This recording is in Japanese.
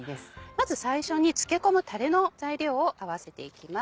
まず最初に漬け込むタレの材料を合わせていきます。